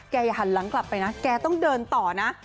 หันหลังกลับไปนะแกต้องเดินต่อนะ